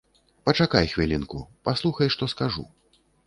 Пачакай хвілінку, паслухай, што скажу.